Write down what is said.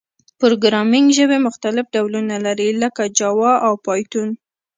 پروګرامینګ ژبي مختلف ډولونه لري، لکه جاوا او پایتون.